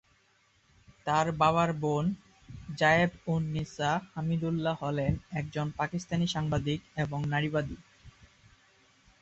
তার বাবার বোন জায়েব-উন-নিসা হামিদুল্লাহ হলেন একজন পাকিস্তানি সাংবাদিক এবং নারীবাদী।